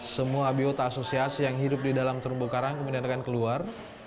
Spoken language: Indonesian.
semua biota asosiasi yang hidup di dalam terumbu karang kemudian akan keluar